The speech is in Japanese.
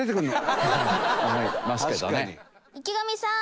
池上さん